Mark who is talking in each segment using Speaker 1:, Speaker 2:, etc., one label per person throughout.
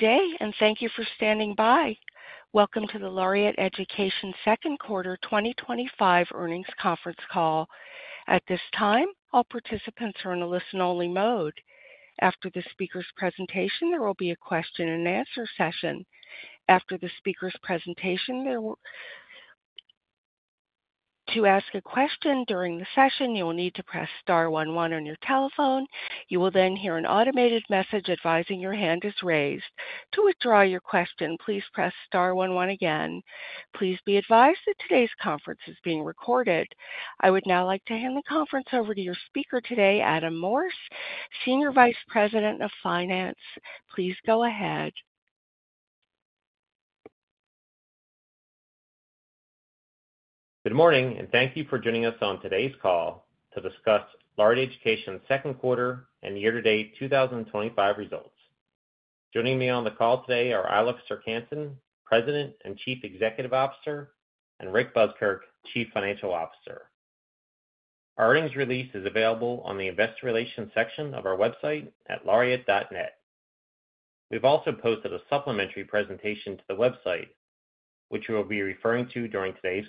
Speaker 1: Today, and thank you for standing by. Welcome to the Laureate Education second quarter 2025 earnings conference call. At this time, all participants are in a listen-only mode. After the speaker's presentation, there will be a question and answer session. To ask a question during the session, you will need to press star one one on your telephone. You will then hear an automated message advising your hand is raised. To withdraw your question, please press star one one again. Please be advised that today's conference is being recorded. I would now like to hand the conference over to your speaker today, Adam Morse, Senior Vice President of Finance. Please go ahead.
Speaker 2: Good morning, and thank you for joining us on today's call to discuss Laureate Education Second Quarter and year-to-date 2025 results. Joining me on the call today are Eilif Serck-Hanssen, President and Chief Executive Officer, and Rick Buskirk, Chief Financial Officer. Our earnings release is available on the Investor Relations section of our website at laureate.net. We've also posted a supplementary presentation to the website, which we will be referring to during today's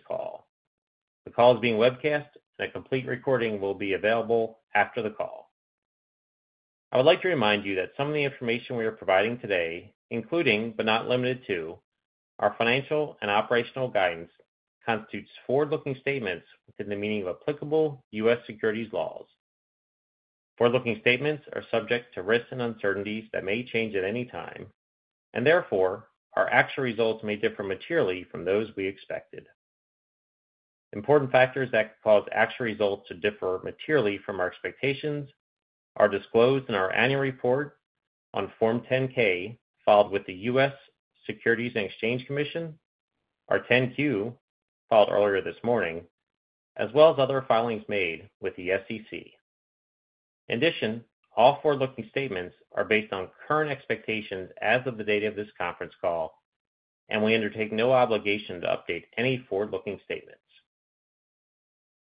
Speaker 2: call. The call is being webcast, and a complete recording will be available after the call. I would like to remind you that some of the information we are providing today, including but not limited to, our financial and operational guidance constitutes forward-looking statements within the meaning of applicable U.S. securities laws. Forward-looking statements are subject to risks and uncertainties that may change at any time, and therefore, our actual results may differ materially from those we expected. Important factors that cause actual results to differ materially from our expectations are disclosed in our annual report on Form 10-K filed with the U.S. Securities and Exchange Commission, our 10-Q filed earlier this morning, as well as other filings made with the SEC. In addition, all forward-looking statements are based on current expectations as of the date of this conference call, and we undertake no obligation to update any forward-looking statements.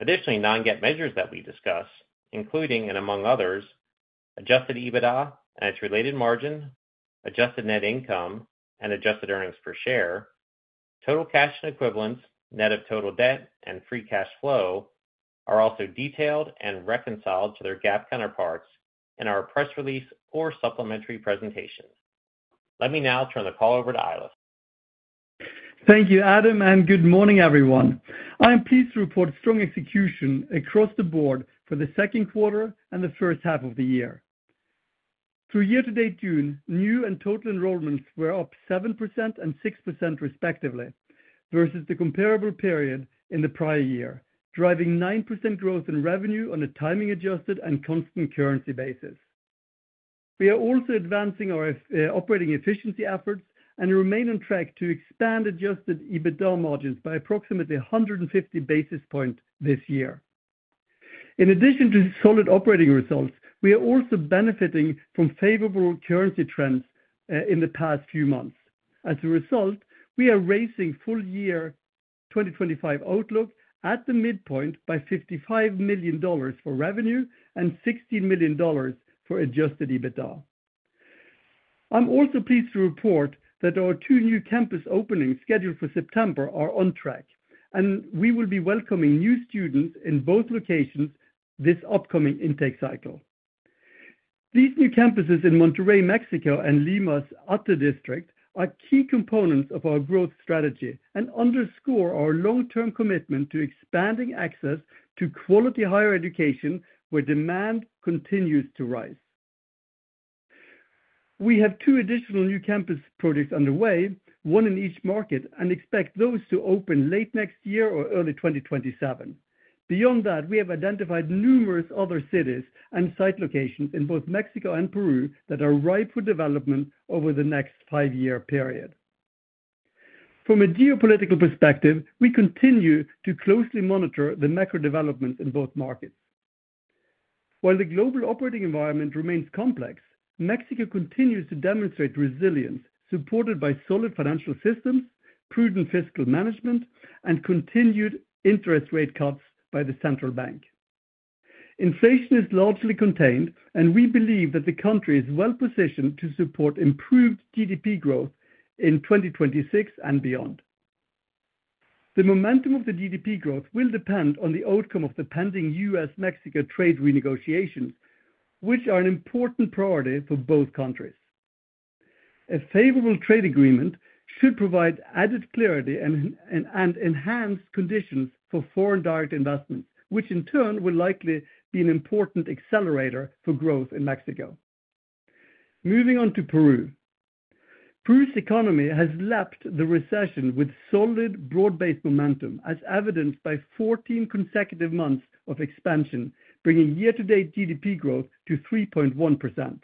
Speaker 2: Additionally, non-GAAP measures that we discuss, including, and among others, adjusted EBITDA and its related margin, adjusted net income, and adjusted earnings per share, total cash and equivalents, net of total debt, and free cash flow are also detailed and reconciled to their GAAP counterparts in our press release or supplementary presentation. Let me now turn the call over to Eilif.
Speaker 3: Thank you, Adam, and good morning, everyone. I am pleased to report strong execution across the board for the second quarter and the first half of the year. For year-to-date June, new and total enrollments were up 7% and 6% respectively versus the comparable period in the prior year, driving 9% growth in revenue on a timing-adjusted and constant currency basis. We are also advancing our operating efficiency efforts and remain on track to expand adjusted EBITDA margins by approximately 150 basis points this year. In addition to solid operating results, we are also benefiting from favorable currency trends in the past few months. As a result, we are raising full-year 2025 outlook at the midpoint by $55 million for revenue and $16 million for adjusted EBITDA. I'm also pleased to report that our two new campus openings scheduled for September are on track, and we will be welcoming new students in both locations this upcoming intake cycle. These new campuses in Monterrey, Mexico, and Lima's ATA District are key components of our growth strategy and underscore our long-term commitment to expanding access to quality higher education where demand continues to rise. We have two additional new campus projects underway, one in each market, and expect those to open late next year or early 2027. Beyond that, we have identified numerous other cities and site locations in both Mexico and Peru that are ripe for development over the next five-year period. From a geopolitical perspective, we continue to closely monitor the macro developments in both markets. While the global operating environment remains complex, Mexico continues to demonstrate resilience supported by solid financial systems, prudent fiscal management, and continued interest rate cuts by the central bank. Inflation is largely contained, and we believe that the country is well positioned to support improved GDP growth in 2026 and beyond. The momentum of the GDP growth will depend on the outcome of the pending U.S.-Mexico trade renegotiations, which are an important priority for both countries. A favorable trade agreement should provide added clarity and enhance conditions for foreign direct investments, which in turn will likely be an important accelerator for growth in Mexico. Moving on to Peru. Peru's economy has lapped the recession with solid broad-based momentum as evidenced by 14 consecutive months of expansion, bringing year-to-date GDP growth to 3.1%.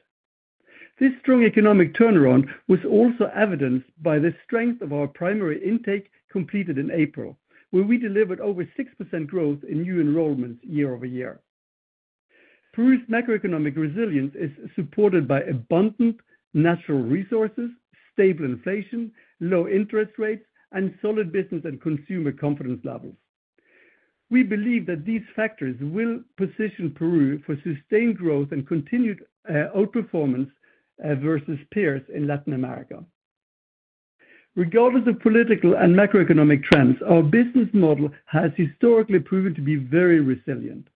Speaker 3: This strong economic turnaround was also evidenced by the strength of our primary intake completed in April, where we delivered over 6% growth in new enrollments year-over-year. Peru's macroeconomic resilience is supported by abundant natural resources, stable inflation, low interest rates, and solid business and consumer confidence levels. We believe that these factors will position Peru for sustained growth and continued outperformance versus peers in Latin America. Regardless of political and macroeconomic trends, our business model has historically proven to be very resilient.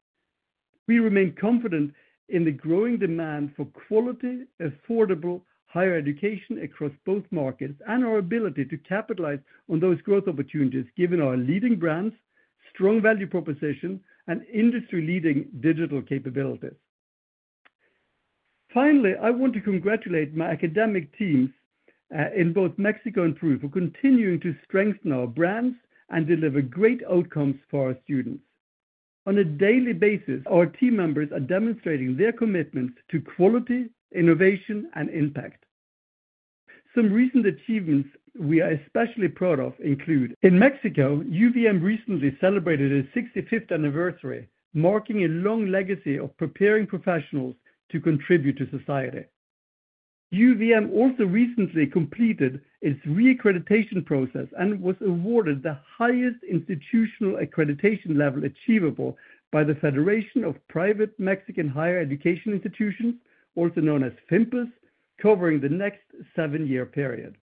Speaker 3: We remain confident in the growing demand for quality, affordable higher education across both markets and our ability to capitalize on those growth opportunities given our leading brands, strong value proposition, and industry-leading digital capabilities. Finally, I want to congratulate my academic teams in both Mexico and Peru for continuing to strengthen our brands and deliver great outcomes for our students. On a daily basis, our team members are demonstrating their commitment to quality, innovation, and impact. Some recent achievements we are especially proud of include: in Mexico, UVM recently celebrated its 65th anniversary, marking a long legacy of preparing professionals to contribute to society. UVM also recently completed its reaccreditation process and was awarded the highest institutional accreditation level achievable by the Federation of Private Mexican Higher Education Institutions, also known as FIMPES, covering the next seven-year period.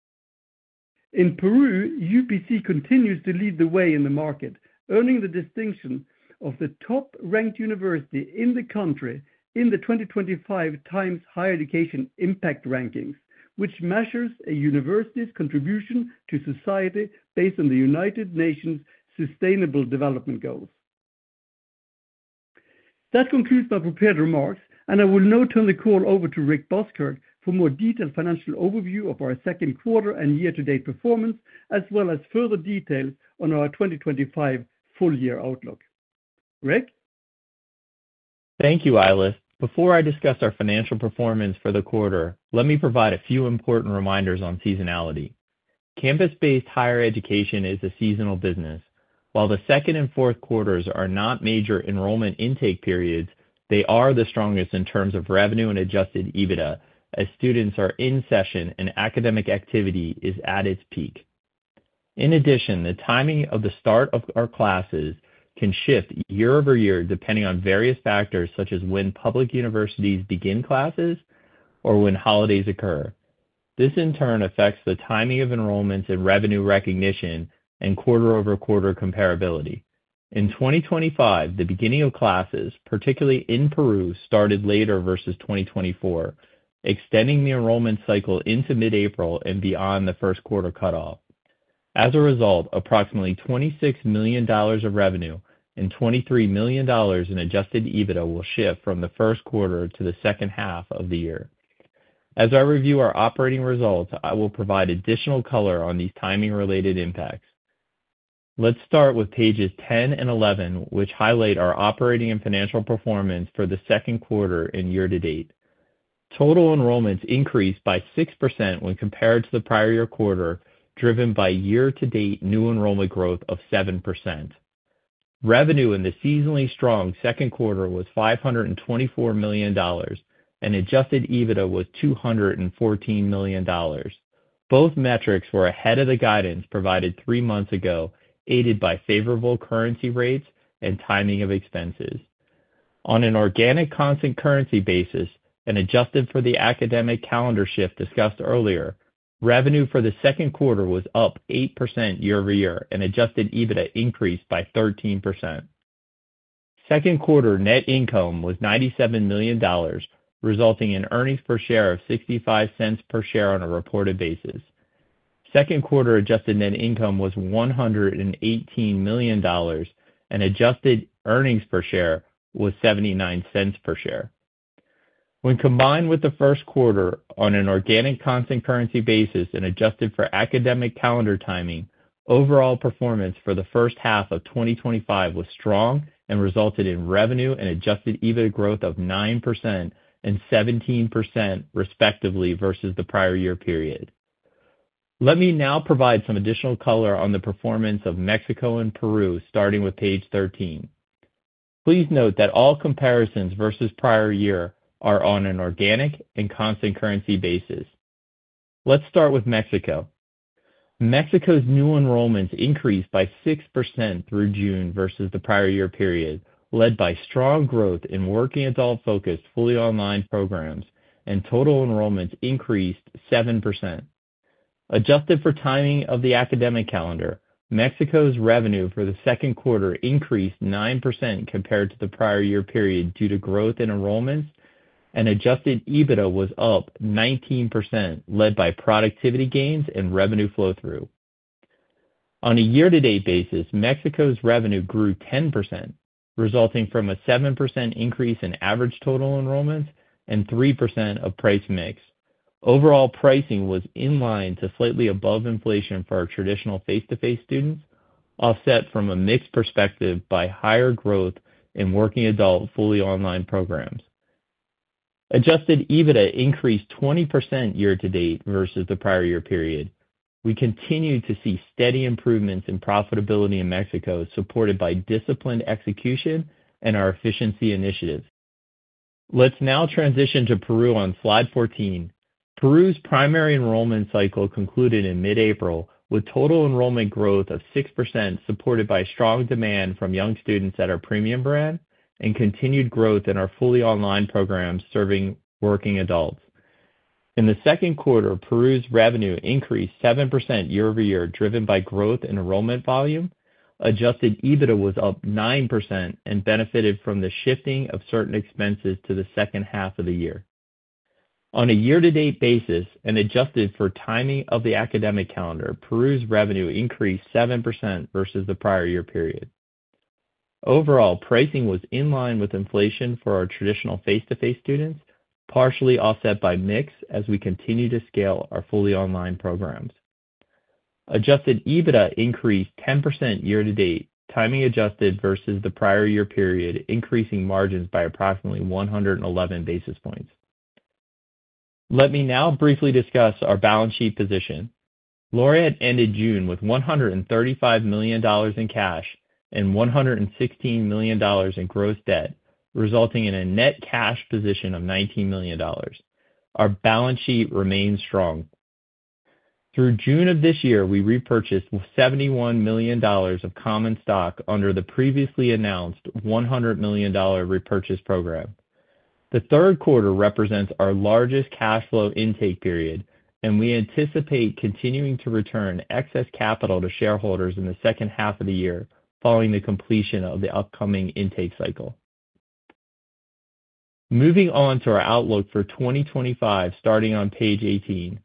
Speaker 3: In Peru, UPC continues to lead the way in the market, earning the distinction of the top-ranked university in the country in the 2025 Times Higher Education Impact rankings, which measures a university's contribution to society based on the United Nations Sustainable Development Goals. That concludes my prepared remarks, and I will now turn the call over to Rick Buskirk for a more detailed financial overview of our second quarter and year-to-date performance, as well as further details on our 2025 full-year outlook. Rick?
Speaker 4: Thank you, Eilif. Before I discuss our financial performance for the quarter, let me provide a few important reminders on seasonality. Campus-based higher education is a seasonal business. While the second and fourth quarters are not major enrollment intake periods, they are the strongest in terms of revenue and adjusted EBITDA as students are in session and academic activity is at its peak. In addition, the timing of the start of our classes can shift year-over-year depending on various factors such as when public universities begin classes or when holidays occur. This, in turn, affects the timing of enrollments in revenue recognition and quarter-over-quarter comparability. In 2025, the beginning of classes, particularly in Peru, started later versus 2024, extending the enrollment cycle into mid-April and beyond the first quarter cutoff. As a result, approximately $26 million of revenue and $23 million in adjusted EBITDA will shift from the first quarter to the second half of the year. As I review our operating results, I will provide additional color on these timing-related impacts. Let's start with pages 10 and 11, which highlight our operating and financial performance for the second quarter and year to date. Total enrollments increased by 6% when compared to the prior year quarter, driven by year-to-date new enrollment growth of 7%. Revenue in the seasonally strong second quarter was $524 million, and adjusted EBITDA was $214 million. Both metrics were ahead of the guidance provided three months ago, aided by favorable currency rates and timing of expenses. On an organic constant currency basis and adjusted for the academic calendar shift discussed earlier, revenue for the second quarter was up 8% year-over-year, and adjusted EBITDA increased by 13%. Second quarter net income was $97 million, resulting in earnings per share of $0.65 per share on a reported basis. Second quarter adjusted net income was $118 million, and adjusted earnings per share was $0.79 per share. When combined with the first quarter on an organic constant currency basis and adjusted for academic calendar timing, overall performance for the first half of 2025 was strong and resulted in revenue and adjusted EBITDA growth of 9% and 17% respectively versus the prior year period. Let me now provide some additional color on the performance of Mexico and Peru, starting with page 13. Please note that all comparisons versus prior year are on an organic and constant currency basis. Let's start with Mexico. Mexico's new enrollments increased by 6% through June versus the prior year period, led by strong growth in working adult-focused fully online programs, and total enrollments increased 7%. Adjusted for timing of the academic calendar, Mexico's revenue for the second quarter increased 9% compared to the prior year period due to growth in enrollments, and adjusted EBITDA was up 19%, led by productivity gains and revenue flow-through. On a year-to-date basis, Mexico's revenue grew 10%, resulting from a 7% increase in average total enrollments and 3% of price mix. Overall pricing was in line to slightly above inflation for our traditional face-to-face students, offset from a mixed perspective by higher growth in working adult fully online programs. Adjusted EBITDA increased 20% year to date versus the prior year period. We continue to see steady improvements in profitability in Mexico, supported by disciplined execution and our efficiency initiatives. Let's now transition to Peru on slide 14. Peru's primary enrollment cycle concluded in mid-April, with total enrollment growth of 6%, supported by strong demand from young students at our premium brand and continued growth in our fully online programs serving working adults. In the second quarter, Peru's revenue increased 7% year-over-year, driven by growth in enrollment volume. Adjusted EBITDA was up 9% and benefited from the shifting of certain expenses to the second half of the year. On a year-to-date basis and adjusted for timing of the academic calendar, Peru's revenue increased 7% versus the prior year period. Overall, pricing was in line with inflation for our traditional face-to-face students, partially offset by mix as we continue to scale our fully online programs. Adjusted EBITDA increased 10% year to date, timing adjusted versus the prior year period, increasing margins by approximately 111 basis points. Let me now briefly discuss our balance sheet position. Laureate ended June with $135 million in cash and $116 million in gross debt, resulting in a net cash position of $19 million. Our balance sheet remains strong. Through June of this year, we repurchased $71 million of common stock under the previously announced $100 million repurchase program. The third quarter represents our largest cash flow intake period, and we anticipate continuing to return excess capital to shareholders in the second half of the year following the completion of the upcoming intake cycle. Moving on to our outlook for 2025, starting on page 18.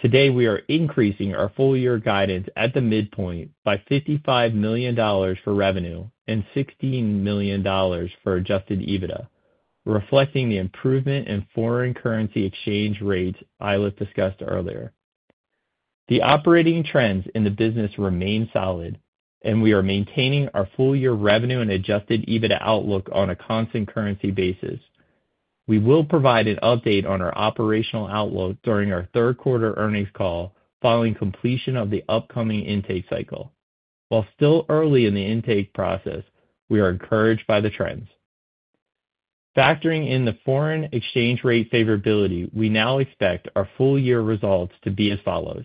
Speaker 4: Today, we are increasing our full-year guidance at the midpoint by $55 million for revenue and $16 million for adjusted EBITDA, reflecting the improvement in foreign currency exchange rates Eilif discussed earlier. The operating trends in the business remain solid, and we are maintaining our full-year revenue and adjusted EBITDA outlook on a constant currency basis. We will provide an update on our operational outlook during our third quarter earnings call following completion of the upcoming intake cycle. While still early in the intake process, we are encouraged by the trends. Factoring in the foreign exchange rate favorability, we now expect our full-year results to be as follows: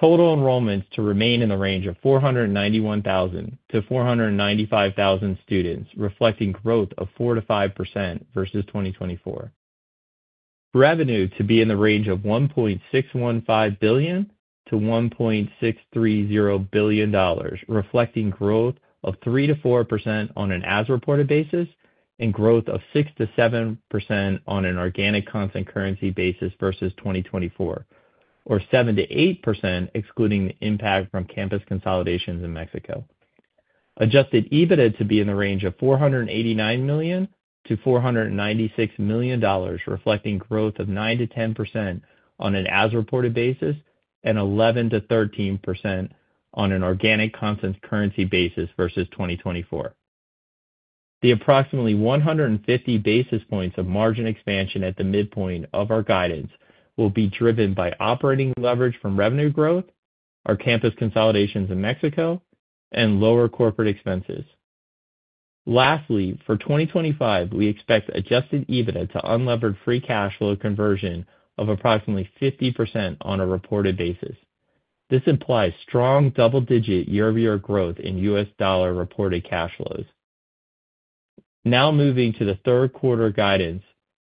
Speaker 4: total enrollments to remain in the range of 491,000-495,000 students, reflecting growth of 4%-5% versus 2024. Revenue to be in the range of $1.615 billion-$1.630 billion, reflecting growth of 3%-4% on an as-reported basis and growth of 6%-7% on an organic constant currency basis versus 2024, or 7%-8%, excluding the impact from campus consolidations in Mexico. Adjusted EBITDA to be in the range of $489 million-$496 million, reflecting growth of 9%-10% on an as-reported basis and 11%-13% on an organic constant currency basis versus 2024. The approximately 150 basis points of margin expansion at the midpoint of our guidance will be driven by operating leverage from revenue growth, our campus consolidations in Mexico, and lower corporate expenses. Lastly, for 2025, we expect adjusted EBITDA to unlevered free cash flow conversion of approximately 50% on a reported basis. This implies strong double-digit year-over-year growth in U.S. dollar reported cash flows. Now moving to the third quarter guidance,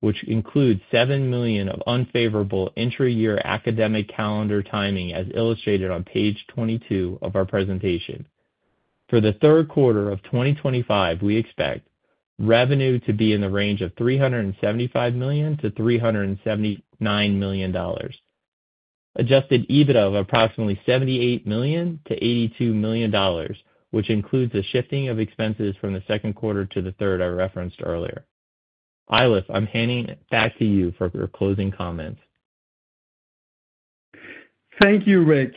Speaker 4: which includes $7 million of unfavorable intra-year academic calendar timing as illustrated on page 22 of our presentation. For the third quarter of 2025, we expect revenue to be in the range of $375 million-$379 million, adjusted EBITDA of approximately $78 million-$82 million, which includes a shifting of expenses from the second quarter to the third I referenced earlier. Eilif, I'm handing it back to you for your closing comments.
Speaker 3: Thank you, Rick.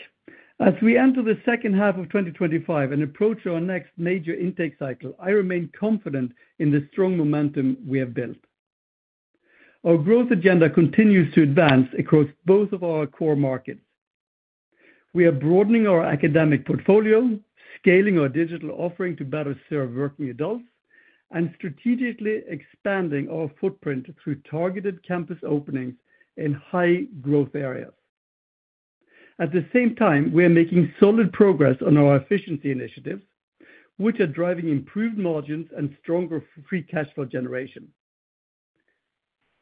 Speaker 3: As we enter the second half of 2025 and approach our next major intake cycle, I remain confident in the strong momentum we have built. Our growth agenda continues to advance across both of our core markets. We are broadening our academic portfolio, scaling our digital offering to better serve working adults, and strategically expanding our footprint through targeted campus openings in high-growth areas. At the same time, we are making solid progress on our efficiency initiatives, which are driving improved margins and stronger free cash flow generation.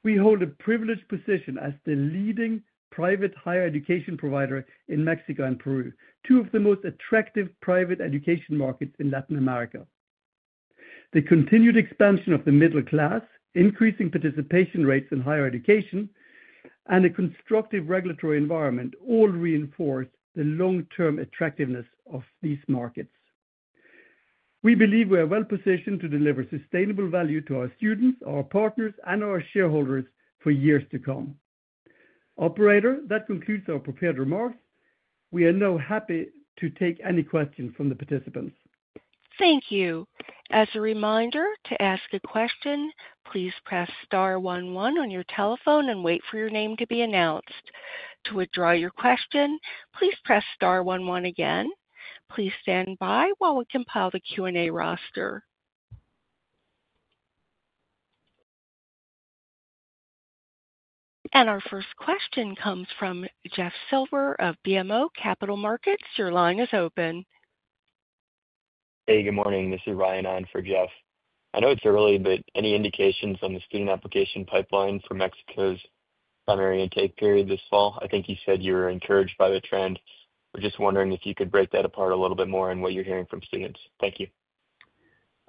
Speaker 3: We hold a privileged position as the leading private higher education provider in Mexico and Peru, two of the most attractive private education markets in Latin America. The continued expansion of the middle class, increasing participation rates in higher education, and a constructive regulatory environment all reinforce the long-term attractiveness of these markets. We believe we are well positioned to deliver sustainable value to our students, our partners, and our shareholders for years to come. Operator, that concludes our prepared remarks. We are now happy to take any questions from the participants.
Speaker 1: Thank you. As a reminder, to ask a question, please press star one one on your telephone and wait for your name to be announced. To withdraw your question, please press star one one again. Please stand by while we compile the Q&A roster. Our first question comes from Jeff Silber of BMO Capital Markets. Your line is open. Hey, good morning. This is Ryan on for Jeff. I know it's early, but any indications on the student application pipeline for Mexico's primary intake period this fall? I think you said you were encouraged by the trend. We're just wondering if you could break that apart a little bit more and what you're hearing from students. Thank you.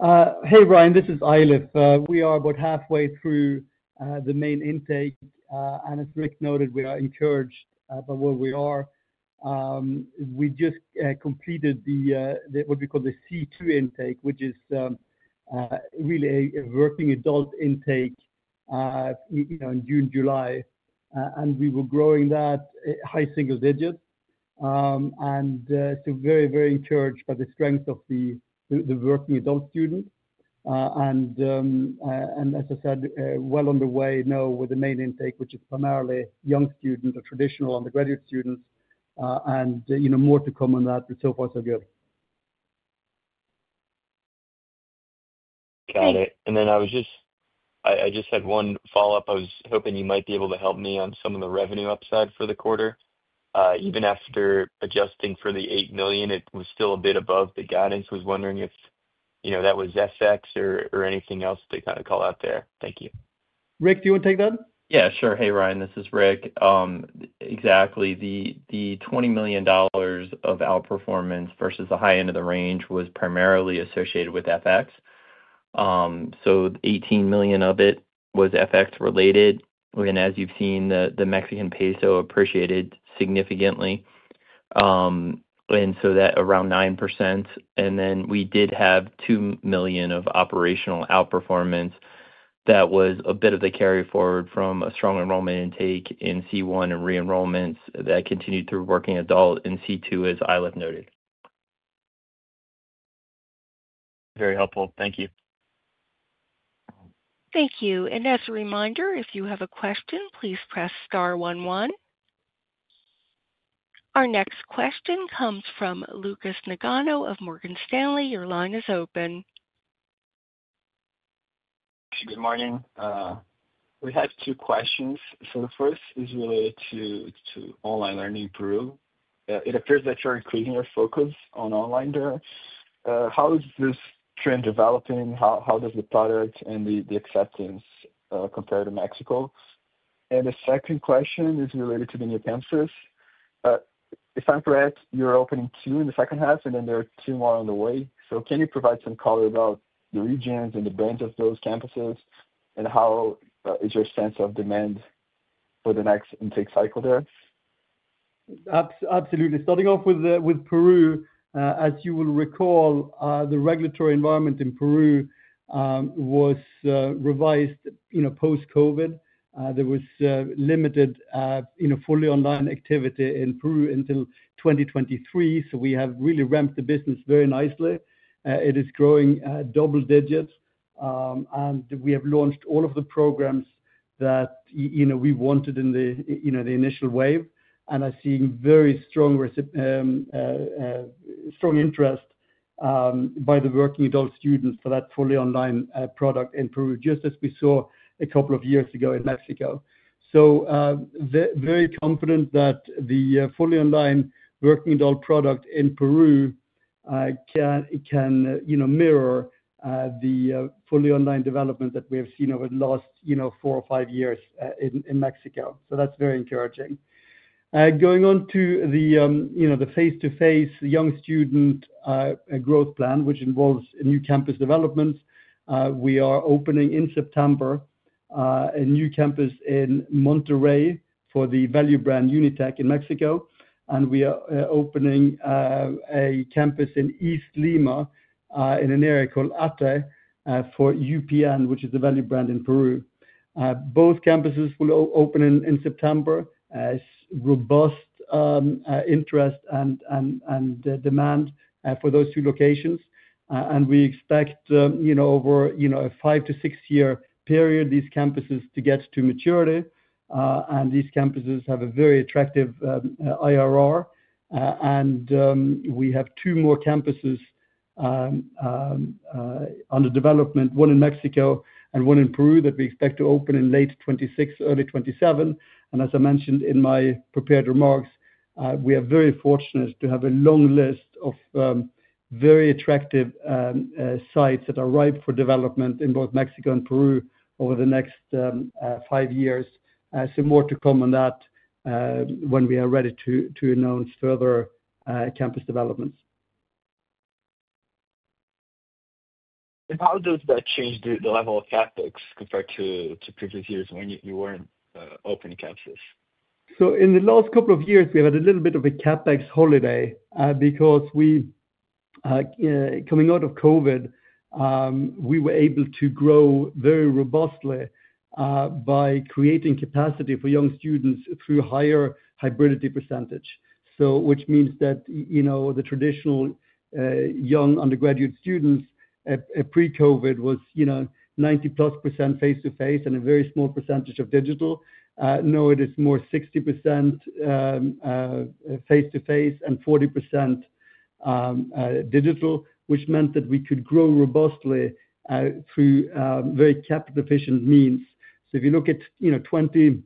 Speaker 3: Hey, Ryan. This is Eilif. We are about halfway through the main intake, and as Rick noted, we are encouraged by where we are. We just completed what we call the C2 intake, which is really a working adult intake in June, July, and we were growing that high single digits. We are very, very encouraged by the strength of the working adult student. As I said, we are well underway now with the main intake, which is primarily young students or traditional undergraduate students. There is more to come on that, but so far so good. Got it. I just had one follow-up. I was hoping you might be able to help me on some of the revenue upside for the quarter. Even after adjusting for the $8 million, it was still a bit above the guidance. I was wondering if you know if that was FX or anything else to call out there. Thank you. Rick, do you want to take that?
Speaker 4: Yeah, sure. Hey, Ryan. This is Rick. Exactly. The $20 million of outperformance versus the high end of the range was primarily associated with FX. $18 million of it was FX related. As you've seen, the Mexican peso appreciated significantly, around 9%. We did have $2 million of operational outperformance that was a bit of the carry forward from a strong enrollment intake in C1 and re-enrollments that continued through working adult in C2, as Eilif noted. Very helpful. Thank you.
Speaker 1: Thank you. As a reminder, if you have a question, please press star one one. Our next question comes from Lucas Negano of Morgan Stanley. Your line is open.
Speaker 5: Thank you. Good morning. We had two questions. The first is related to online learning in Peru. It appears that you're increasing your focus on online there. How is this trend developing? How does the product and the acceptance compare to Mexico? The second question is related to the new campuses. If I'm correct, you're opening two in the second half, and there are two more on the way. Can you provide some color about the regions and the brands of those campuses? How is your sense of demand for the next intake cycle there?
Speaker 3: Absolutely. Starting off with Peru, as you will recall, the regulatory environment in Peru was revised post-COVID. There was limited fully online activity in Peru until 2023. We have really ramped the business very nicely. It is growing double digits, and we have launched all of the programs that we wanted in the initial wave. I'm seeing very strong interest by the working adult students for that fully online product in Peru, just as we saw a couple of years ago in Mexico. I am very confident that the fully online working adult product in Peru can mirror the fully online development that we have seen over the last four or five years in Mexico. That is very encouraging. Going on to the face-to-face young student growth plan, which involves new campus developments, we are opening in September a new campus in Monterrey for the value brand Unitech in Mexico. We are opening a campus in East Lima in an area called ATA for UPN, which is the value brand in Peru. Both campuses will open in September. There is robust interest and demand for those two locations, and we expect over a five to six-year period these campuses to get to maturity. These campuses have a very attractive IRR. We have two more campuses under development, one in Mexico and one in Peru, that we expect to open in late 2026, early 2027. As I mentioned in my prepared remarks, we are very fortunate to have a long list of very attractive sites that are ripe for development in both Mexico and Peru over the next five years. There is more to come on that when we are ready to announce further campus developments.
Speaker 5: How does that change the level of CapEx compared to previous years when you weren't opening campuses?
Speaker 3: In the last couple of years, we've had a little bit of a CapEx holiday because coming out of COVID, we were able to grow very robustly by creating capacity for young students through higher hybridity percentage. This means that the traditional young undergraduate students pre-COVID was 90%+ face-to-face and a very small percentage of digital. Now, it is more 60% face-to-face and 40% digital, which meant that we could grow robustly through very capital-efficient means. If you look at 2019-2023,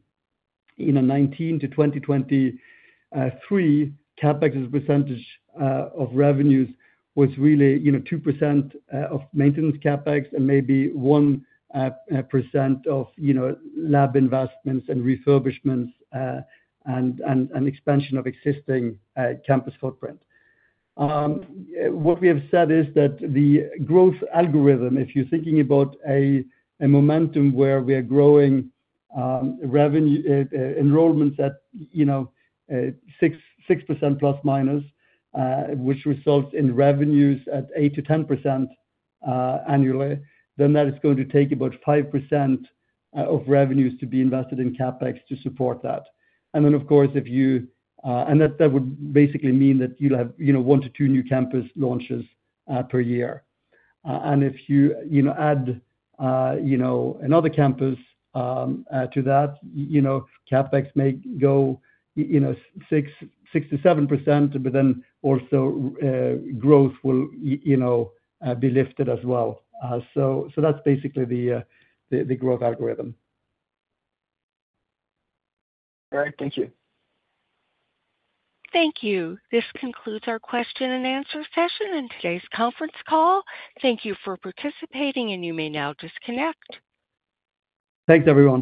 Speaker 3: CapEx as a percentage of revenues was really 2% of maintenance CapEx and maybe 1% of lab investments and refurbishments and expansion of existing campus footprint. What we have said is that the growth algorithm, if you're thinking about a momentum where we are growing enrollments at 6%±, which results in revenues at 8%-10% annually, that is going to take about 5% of revenues to be invested in CapEx to support that. Of course, if you—and that would basically mean that you'll have one to two new campus launches per year. If you add another campus to that, CapEx may go 6%-7%, but then also growth will be lifted as well. That's basically the growth algorithm.
Speaker 5: All right. Thank you.
Speaker 1: Thank you. This concludes our question and answer session and today's conference call. Thank you for participating, and you may now disconnect.
Speaker 3: Thanks, everyone.